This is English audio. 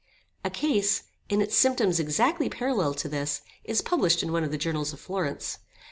[*]* A case, in its symptoms exactly parallel to this, is published in one of the Journals of Florence.